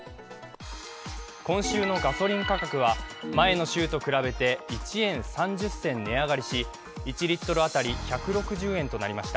今週のガソリン価格は前の週と比べて１円３０銭値上がりし１リットルあたり１６０円となりました。